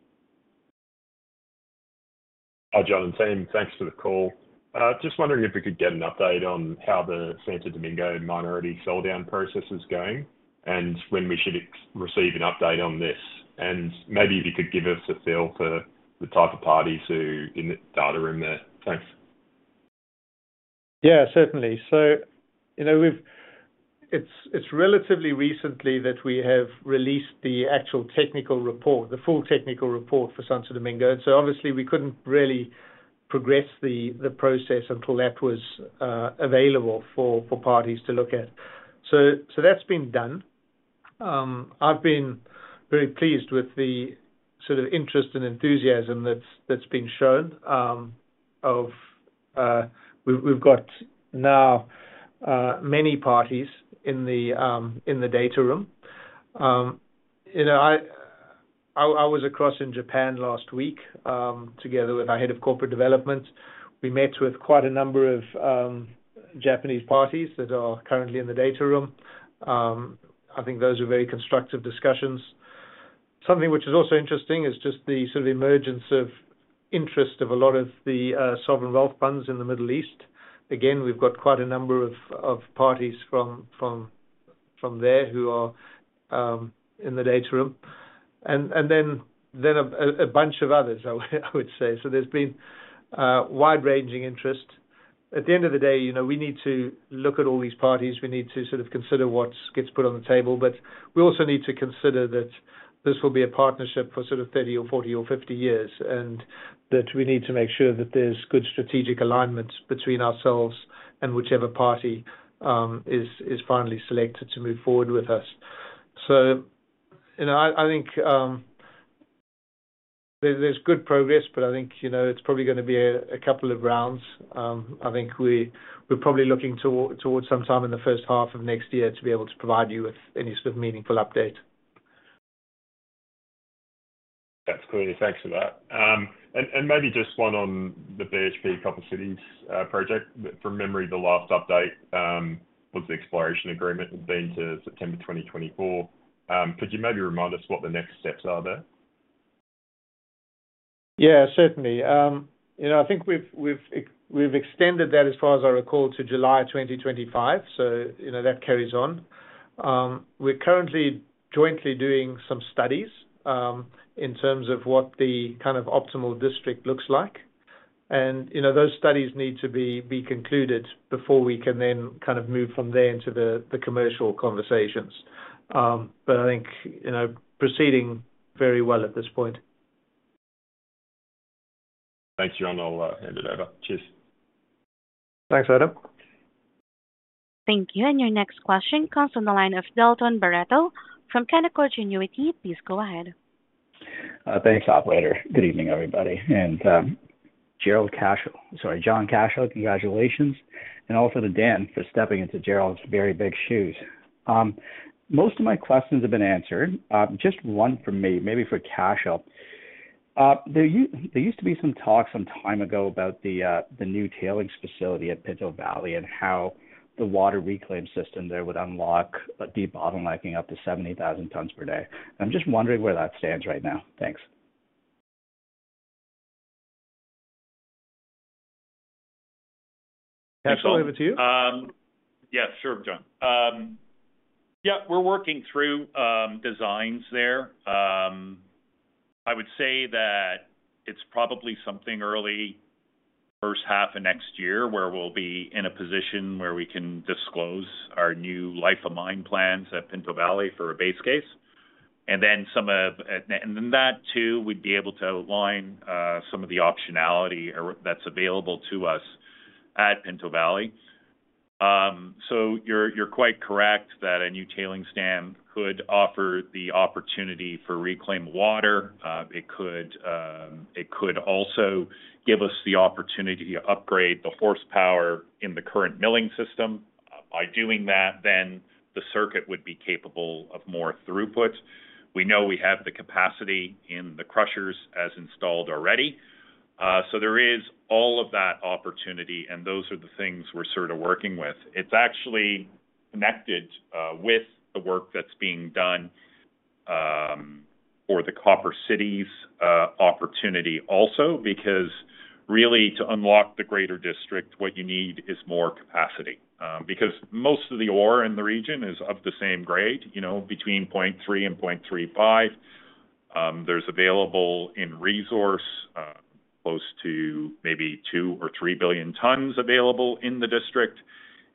Hi, John. Same. Thanks for the call. Just wondering if we could get an update on how the Santo Domingo minority sell-down process is going and when we should receive an update on this. And maybe if you could give us a feel for the type of parties who in the data room there. Thanks. Yeah, certainly. So it's relatively recently that we have released the actual technical report, the full technical report for Santo Domingo. And so obviously, we couldn't really progress the process until that was available for parties to look at. So that's been done. I've been very pleased with the sort of interest and enthusiasm that's been shown. We've got now many parties in the data room. I was across in Japan last week together with our head of corporate development. We met with quite a number of Japanese parties that are currently in the data room. I think those are very constructive discussions. Something which is also interesting is just the sort of emergence of interest of a lot of the sovereign wealth funds in the Middle East. Again, we've got quite a number of parties from there who are in the data room. And then a bunch of others, I would say. So there's been wide-ranging interest. At the end of the day, we need to look at all these parties. We need to sort of consider what gets put on the table. But we also need to consider that this will be a partnership for sort of 30 or 40 or 50 years and that we need to make sure that there's good strategic alignment between ourselves and whichever party is finally selected to move forward with us. So I think there's good progress, but I think it's probably going to be a couple of rounds. I think we're probably looking towards sometime in the first half of next year to be able to provide you with any sort of meaningful update. That's great. Thanks for that. And maybe just one on the BHP Copper Cities project. From memory, the last update was the exploration agreement had been to September 2024. Could you maybe remind us what the next steps are there? Yeah, certainly. I think we've extended that as far as I recall to July 2025. So that carries on. We're currently jointly doing some studies in terms of what the kind of optimal district looks like. And those studies need to be concluded before we can then kind of move from there into the commercial conversations. But I think proceeding very well at this point. Thanks, John. I'll hand it over. Cheers. Thanks, Adam. Thank you. And your next question comes from Dalton Baretto from Canaccord Genuity. Please go ahead. Thanks, operator. Good evening, everybody. And Jerrold, Cashel. Sorry, John, Cashel. Congratulations. And also to Dan for stepping into Jerrold's very big shoes. Most of my questions have been answered. Just one for me, maybe for Cashel. There used to be some talk some time ago about the new tailings facility at Pinto Valley and how the water reclaim system there would unlock a debottlenecking up to 70,000 tons per day. And I'm just wondering where that stands right now. Thanks. Cashel, over to you. Yeah. Sure, John. Yeah. We're working through designs there. I would say that it's probably something early first half of next year where we'll be in a position where we can disclose our new life of mine plans at Pinto Valley for a base case. And then some of and then that too would be able to align some of the optionality that's available to us at Pinto Valley. So you're quite correct that a new tailings dam could offer the opportunity for reclaimed water. It could also give us the opportunity to upgrade the horsepower in the current milling system. By doing that, then the circuit would be capable of more throughput. We know we have the capacity in the crushers as installed already. So there is all of that opportunity, and those are the things we're sort of working with. It's actually connected with the work that's being done for the Copper Cities opportunity also because really to unlock the greater district, what you need is more capacity because most of the ore in the region is of the same grade, between 0.3% and 0.35%. There's available in resource close to maybe 2 or 3 billion tons available in the district.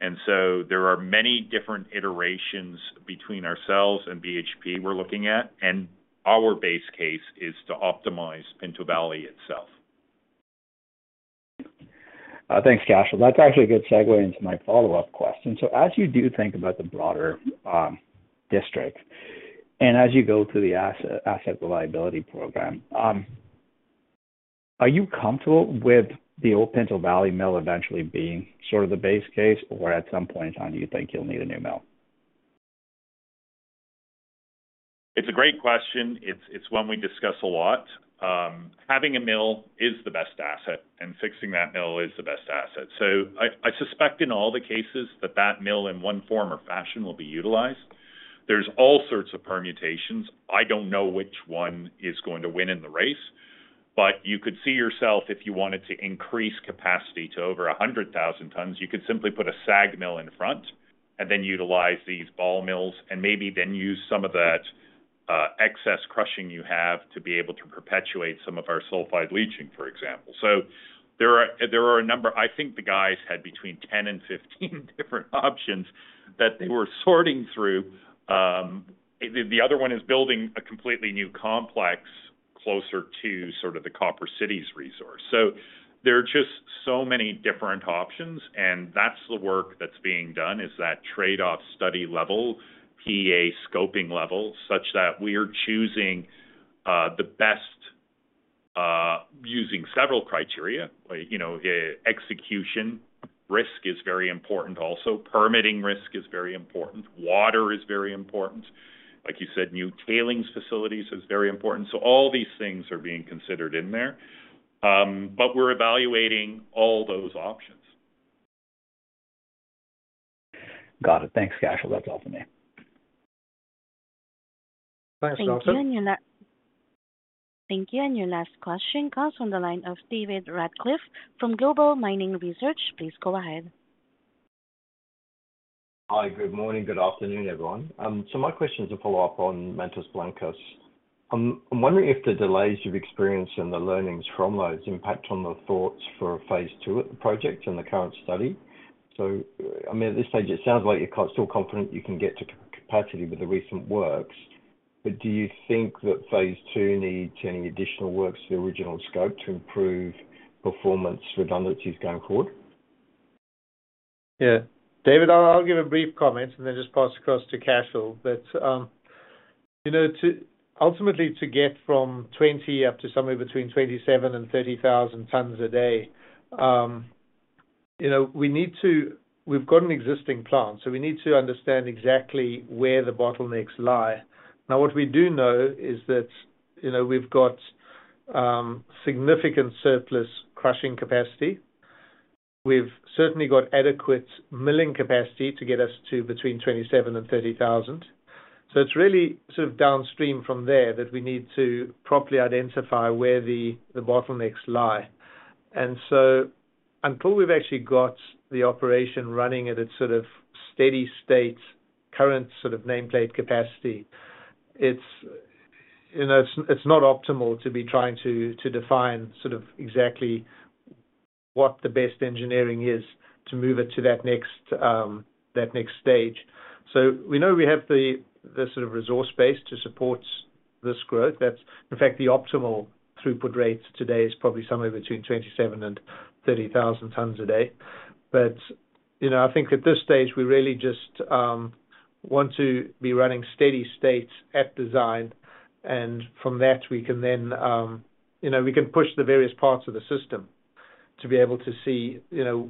And so there are many different iterations between ourselves and BHP we're looking at. And our base case is to optimize Pinto Valley itself. Thanks, Cashel. That's actually a good segue into my follow-up question. So as you do think about the broader district and as you go through the asset management program, are you comfortable with the old Pinto Valley mill eventually being sort of the base case, or at some point in time, do you think you'll need a new mill? It's a great question. It's one we discuss a lot. Having a mill is the best asset, and fixing that mill is the best asset. So I suspect in all the cases that that mill in one form or fashion will be utilized. There's all sorts of permutations. I don't know which one is going to win in the race, but you could see yourself if you wanted to increase capacity to over 100,000 tons, you could simply put a SAG mill in front and then utilize these ball mills and maybe then use some of that excess crushing you have to be able to perpetuate some of our sulfide leaching, for example. So there are a number I think the guys had between 10 and 15 different options that they were sorting through. The other one is building a completely new complex closer to sort of the Copper Cities resource, so there are just so many different options, and that's the work that's being done is that trade-off study level, PEA scoping level, such that we are choosing the best using several criteria. Execution risk is very important also. Permitting risk is very important. Water is very important. Like you said, new tailings facilities is very important, so all these things are being considered in there, but we're evaluating all those options. Got it. Thanks, Cashel. That's all for me. Thanks, Dalton. Thank you and your last question comes on the line of David Radclyffe from Global Mining Research. Please go ahead. Hi. Good morning. Good afternoon, everyone. So my question is a follow-up on Mantos Blancos. I'm wondering if the delays you've experienced and the learnings from those impact on the thoughts for phase two of the project and the current study. So I mean, at this stage, it sounds like you're still confident you can get to capacity with the recent works. But do you think that phase two needs any additional work to the original scope to improve performance redundancies going forward? Yeah. David, I'll give a brief comment and then just pass across to Cashel. But ultimately, to get from 20 up to somewhere between 27,000 and 30,000 tons a day, we've got an existing plant. So we need to understand exactly where the bottlenecks lie. Now, what we do know is that we've got significant surplus crushing capacity. We've certainly got adequate milling capacity to get us to between 27,000 and 30,000. So it's really sort of downstream from there that we need to properly identify where the bottlenecks lie. And so until we've actually got the operation running at its sort of steady state current sort of nameplate capacity, it's not optimal to be trying to define sort of exactly what the best engineering is to move it to that next stage. So we know we have the sort of resource base to support this growth. In fact, the optimal throughput rate today is probably somewhere between 27,000 and 30,000 tons a day. But I think at this stage, we really just want to be running steady state at design. And from that, we can then push the various parts of the system to be able to see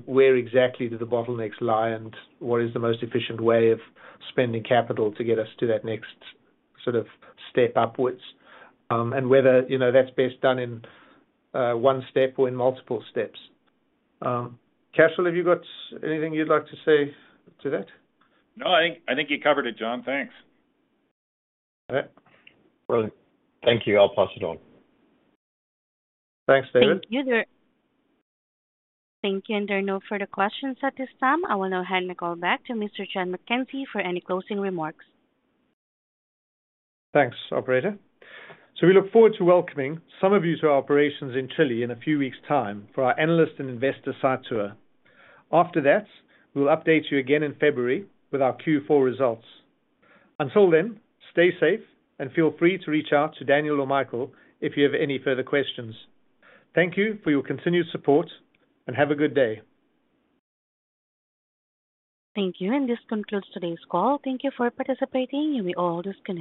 where exactly do the bottlenecks lie and what is the most efficient way of spending capital to get us to that next sort of step upwards and whether that's best done in one step or in multiple steps. Cashel, have you got anything you'd like to say to that? No, I think you covered it, John. Thanks. Okay. Thank you. I'll pass it on. Thanks, David. Thank you. There are no further questions at this time. I will now hand the call back to Mr. John MacKenzie for any closing remarks. Thanks, operator. So we look forward to welcoming some of you to our operations in Chile in a few weeks' time for our analyst and investor site tour. After that, we'll update you again in February with our Q4 results. Until then, stay safe and feel free to reach out to Daniel or Michael if you have any further questions. Thank you for your continued support and have a good day. Thank you, and this concludes today's call. Thank you for participating. You'll be disconnected.